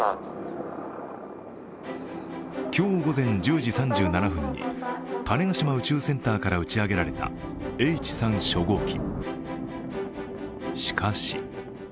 今日午前１０時３７分に種子島宇宙センターから打ち上げられたＨ３初号機。